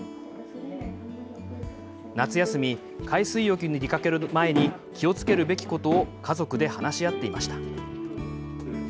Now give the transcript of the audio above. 夏休み海水浴に出かける前に気をつけるべきことを家族で話し合っていました。